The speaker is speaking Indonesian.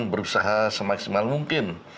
berusaha semaksimal mungkin